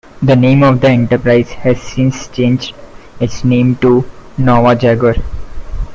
The name of the enterprise has since changed its name to "Nuova Jager".